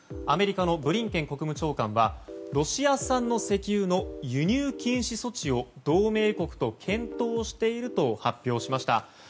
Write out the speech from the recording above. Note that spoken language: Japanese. アメリカのブリンケン国務長官はロシア産の石油の輸入禁止措置を同盟国と検討していると発表しました。